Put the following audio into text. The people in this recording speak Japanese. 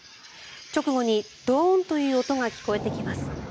直後にドーンという音が聞こえてきます。